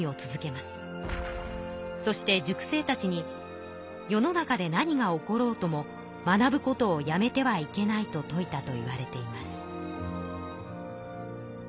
そして塾生たちに世の中で何が起ころうとも学ぶことをやめてはいけないと説いたといわれています。